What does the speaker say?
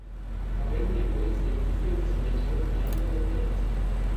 Avem nevoie să existe înțelegere de ambele părți.